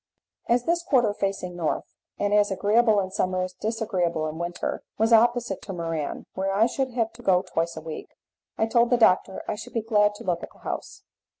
As this quarter facing north, and as agreeable in summer as disagreeable in winter, was opposite to Muran, where I should have to go twice a week, I told the doctor I should be glad to look at the house.